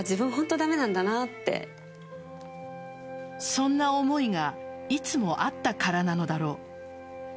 そんな思いがいつもあったからなのだろう。